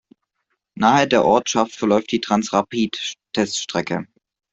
Nahe der Ortschaft verläuft die Transrapid-Teststrecke.